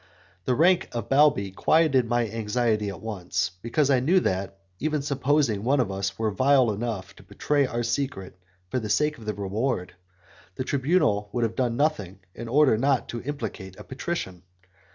The rank of Balbi quieted my anxiety at once, because I knew that, even supposing one of us were vile enough to betray our secret for the sake of the reward, the tribunal would have done nothing in order not to implicate a patrician.